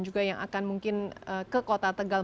juga yang akan mungkin ke kota tegal